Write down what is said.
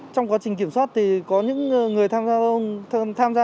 trong quá trình kiểm soát thì có những người tham gia đi qua chốt thường xuyên